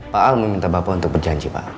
pak al meminta bapak untuk berjanji pak